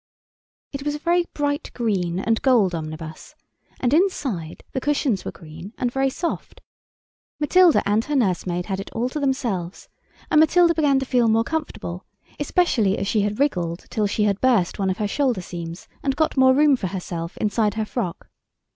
It was a very bright green and gold omnibus, and inside the cushions were green and very soft. Matilda and her nursemaid had it all to themselves, and Matilda began to feel more comfortable, especially as she had wriggled till she had burst one of her shoulder seams and got more room for herself inside her frock.